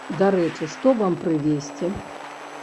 Дарэчы што вам прывезці?